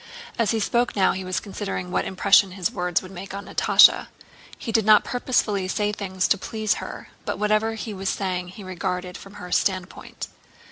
As he spoke now he was considering what impression his words would make on Natásha. He did not purposely say things to please her, but whatever he was saying he regarded from her standpoint.